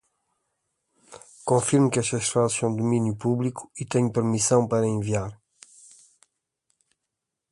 Confirmo que estas frases são de domínio público e tenho permissão para enviar